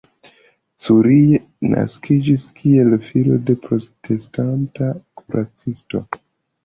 Curie naskiĝis kiel filo de protestanta kuracisto.